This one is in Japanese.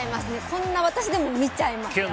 こんな私でも見ちゃいました。